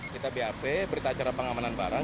kita bap berita acara pengamanan barang